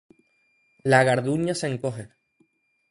La Garduña se encoge